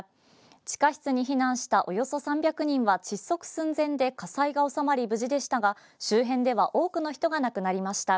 地下室に避難したおよそ３００人は窒息寸前で火災が収まり無事でしたが周辺では多くの人が亡くなりました。